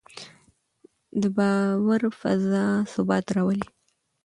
د باور فضا ثبات راولي